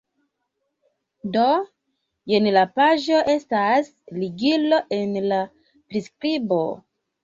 Do, jen la paĝo estas ligilo en la priskribo